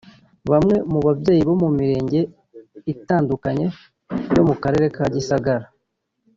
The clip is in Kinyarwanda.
Bamwe mu babyeyi bo mu mirenge itandukanye yo mu karere ka Gisagara